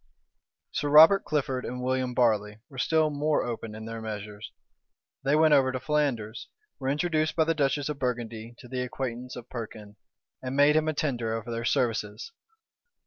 [*]* Bacon, p. 608. Sir Robert Clifford and William Barley were still more open in their measures: they went over to Flanders, were introduced by the duchess of Burgundy to the acquaintance of Perkin, and made him a tender of their services.